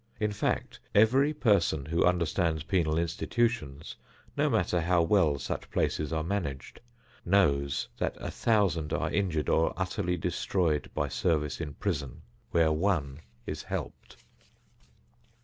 In fact, every person who understands penal institutions no matter how well such places are managed knows that a thousand are injured or utterly destroyed by service in prison, where one is helped.